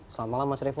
selamat malam mas revo